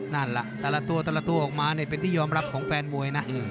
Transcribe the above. นั่นล่ะแต่ละตัวออกมาเป็นที่ยอมรับของแฟนมวยนะ